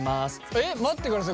え待ってください